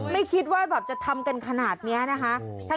ไม่คิดว่าแบบจะทำกันขนาดนี้นะคะ